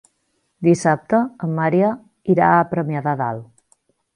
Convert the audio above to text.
Dissabte en Maria irà a Premià de Dalt.